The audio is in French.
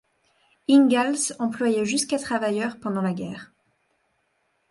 Ingalls employa jusqu'à travailleurs pendant la guerre.